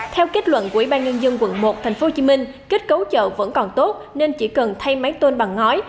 theo kết luận của ủy ban nhân dân tp hcm kết cấu chợ vẫn còn tốt nên chỉ cần thay mái tôn bằng ngói